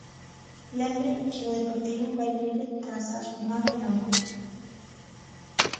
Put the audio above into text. Lembren que o Deportivo vai líder tras a xornada de onte.